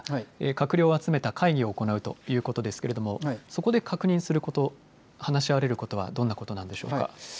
閣僚を集めた会議を行うということですけれども、そこで確認すること、話し合われることはどんなことなんでしょうか。